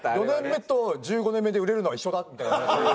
４年目と１５年目で売れるのは一緒だみたいな話。